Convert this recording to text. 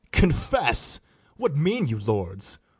Confess! what mean you, lords?